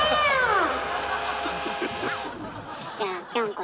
じゃあきょんこ